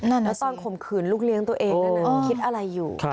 แล้วตอนข่มขืนลูกเลี้ยงตัวเองนั้นคิดอะไรอยู่